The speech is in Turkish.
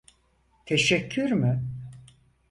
Teşekkür mü?